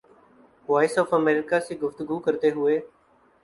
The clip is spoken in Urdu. وائس آف امریکہ سے گفتگو کرتے ہوئے